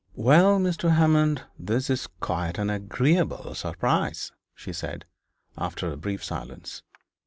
'Well, Mr. Hammond, this is quite an agreeable surprise,' she said, after a brief silence.